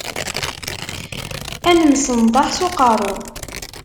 Ad nemsenḍaḥ s uqerru.